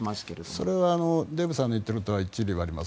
それはデーブさんの言っていることは一理あります。